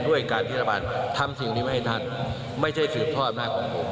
ด้วยการที่รัฐบาลทำสิ่งนี้มาให้ท่านไม่ใช่สืบทอดอำนาจของผม